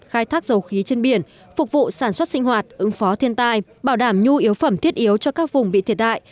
khai thác dầu khí trên biển phục vụ sản xuất sinh hoạt ứng phó thiên tai bảo đảm nhu yếu phẩm thiết yếu cho các vùng bị thiệt hại